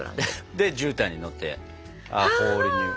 でじゅうたんに乗って「ホール・ニュー」。